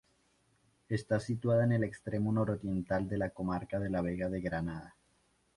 Está situada en el extremo nororiental de la comarca de la Vega de Granada.